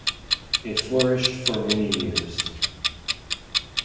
It flourished for many years.